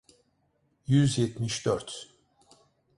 Yüz yetmiş dört.